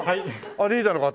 あっリーダーの方。